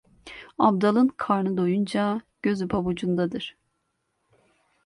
Abdalın karnı doyunca gözü pabucundadır.